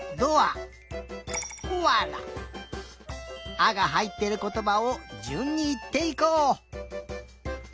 「あ」がはいってることばをじゅんにいっていこう。